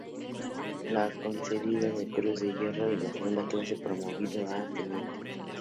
Le fue concedida la Cruz de Hierro de Segunda Clase y promovido a teniente.